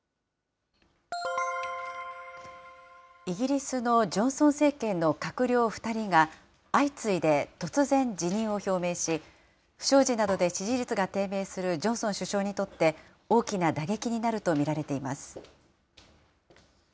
イギリスのジョンソン政権の閣僚２人が、相次いで突然辞任を表明し、不祥事などで支持率が低迷するジョンソン首相にとって、大きな打撃になると見られています。